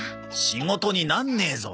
仕事になんねえぞ！